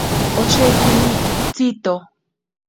Oshekini tsiito.